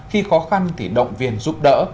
khi khó khăn thì động viên giúp đỡ